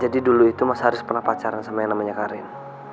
jadi dulu itu mas haris pernah pacaran sama yang namanya karin